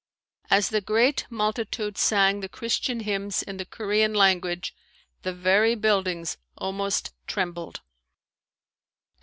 As the great multitude sang the Christian hymns in the Korean language the very buildings almost trembled.